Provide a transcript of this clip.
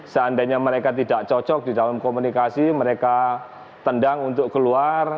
seandainya mereka tidak cocok di dalam komunikasi mereka tendang untuk keluar